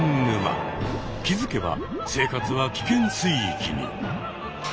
気付けば生活は危険水域に！